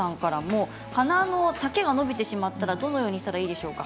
花の丈が伸びてしまったらどのようにしたらいいでしょうか。